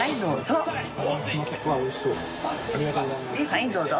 はいどうぞ。